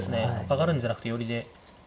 上がるんじゃなくて寄りで。